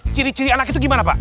ciri ciri anak itu gimana pak